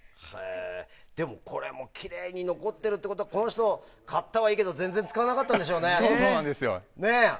でもこれもきれいに残ってるってことはこの人、買ったはいいけど全然使わなかったんでしょうね。